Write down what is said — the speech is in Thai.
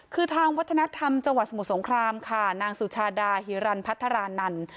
คือทางวัฒนธรรมจังหวัดสมุทรสงครามค่ะนางสุชาดาฮิรันพัฒนานันต์